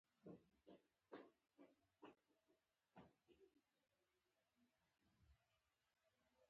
ښوونځی د علم او معرفت سرچینه ده.